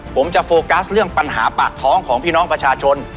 ผมจะโฟกัสเรื่องปัญหาปากท้องของพี่น้องประชาชน